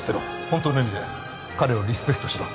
本当の意味で彼をリスペクトしろ